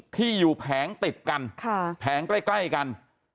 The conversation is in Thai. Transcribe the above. ที่อยู่แผงติดกันแผงใกล้กัน